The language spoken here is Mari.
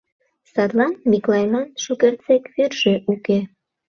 Садлан Миклайлан шукертсек вӱржӧ уке!